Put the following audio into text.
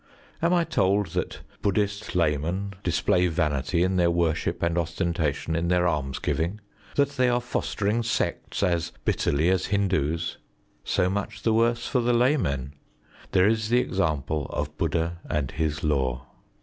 Am I told that Bud╠Żd╠Żhist laymen display vanity in their worship and ostentation in their almsgiving; that they are fostering sects as bitterly as Hind╠Ż┼½s? So much the worse for the laymen: there is the example of Bud╠Żd╠Żha and his Law.